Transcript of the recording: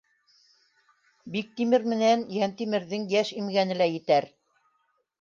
Биктимер менән Йәнтимерҙең йәш имгәне лә етәр!